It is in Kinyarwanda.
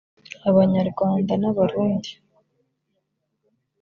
Abanyarwanda n’abarundi